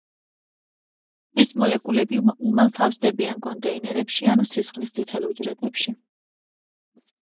ეს მოლეკულები უმალ თავსდებიან კონტეინერებში ანუ სისხლის წითელ უჯრედებში.